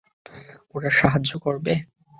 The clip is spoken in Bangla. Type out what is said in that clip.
ওরা সাহায্য করবে!